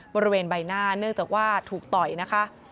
บริเวณใบหน้าเนื่องจากว่าถูกต่อยนะคะ